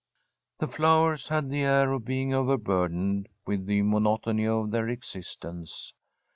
The flowers had the air of being overburdened with the monotony of their existence.